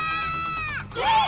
えっ！